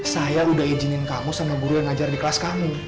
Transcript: saya udah izinin kamu sama guru yang ngajar di kelas kami